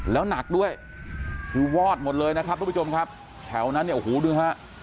แล้วหนักด้วยคือวอดหมดเลยนะครับทุกผู้ชมครับแถวนั้นเนี่ยโอ้โหดูฮะ